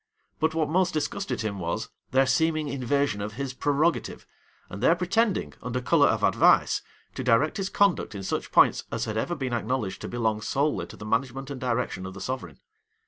But what most disgusted him was, their seeming invasion of his prerogative, and their pretending, under color of advice, to direct his conduct in such points as had ever been acknowledged to belong solely to the management and direction of the sovereign.